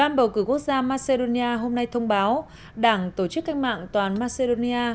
ủy ban bầu cử quốc gia macedonia hôm nay thông báo đảng tổ chức cách mạng toàn macedonia